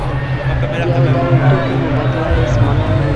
د یو ډول توکو مبادله هیڅ مانا نلري.